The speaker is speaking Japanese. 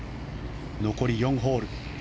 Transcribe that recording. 残り４ホール。